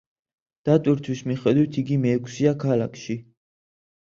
დატვირთვის მიხედვით, იგი მეექვსეა ქალაქში.